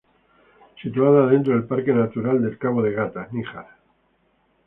Situada dentro del Parque Natural del Cabo de Gata-Níjar.